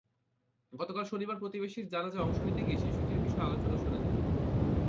গতকাল শনিবার প্রতিবেশীর জানাজায় অংশ নিতে গিয়ে শিশুটির বিষয়ে আলোচনা শোনেন তিনি।